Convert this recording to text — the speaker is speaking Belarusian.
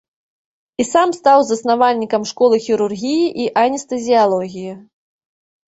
І сам стаў заснавальнікам школы хірургіі і анестэзіялогіі.